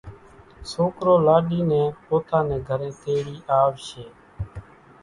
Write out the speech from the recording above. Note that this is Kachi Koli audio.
سوڪرو لاڏِي نين پوتا نين گھرين تيڙي آوشي